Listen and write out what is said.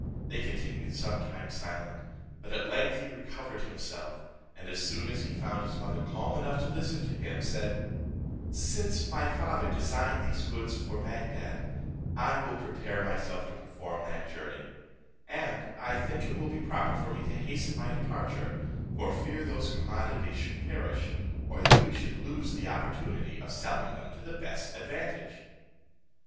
They continued some time silent; but at length he recovered himself, and as soon as he found his mother calm enough to listen to him, said, "Since my father designed these goods for Bagdad, I will prepare myself to perform that journey; and I think it will be proper for me to hasten my departure, for fear those commodities should perish, or that we should lose the opportunity of selling them to the best advantage."